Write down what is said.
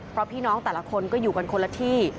เพราะพี่น้องแต่ละคนก็อยู่กันคนละที่